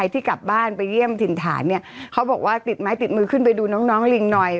ที่กลับบ้านไปเยี่ยมถิ่นฐานเนี่ยเขาบอกว่าติดไม้ติดมือขึ้นไปดูน้องน้องลิงหน่อย